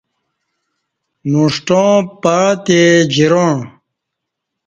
نݜٹاں پعتے جراݩع